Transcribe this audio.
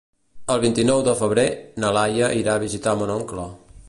El vint-i-nou de febrer na Laia irà a visitar mon oncle.